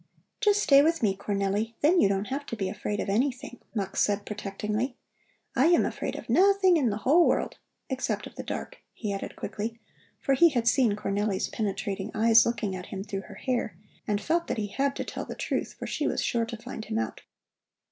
"Just stay with me, Cornelli; then you don't have to be afraid of anything," Mux said protectingly. "I am afraid of nothing in the whole world except of the dark," he added quickly, for he had seen Cornelli's penetrating eyes looking at him through her hair, and felt that he had to tell the truth, for she was sure to find him out.